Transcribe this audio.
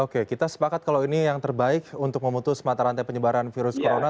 oke kita sepakat kalau ini yang terbaik untuk memutus mata rantai penyebaran virus corona